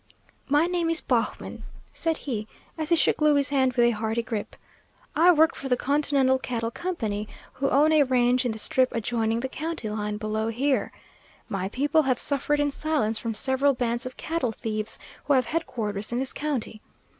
"My name is Baughman," said he, as he shook Louie's hand with a hearty grip. "I work for the Continental Cattle Company, who own a range in the strip adjoining the county line below here. My people have suffered in silence from several bands of cattle thieves who have headquarters in this county.